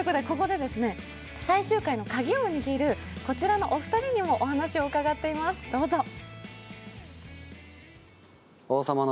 ここで最終回のカギを握るこちらのお二人にもお話を伺っています、どうぞ。